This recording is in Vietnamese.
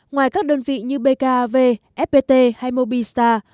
ngoài các đơn vị như bkav fpt hay mobistar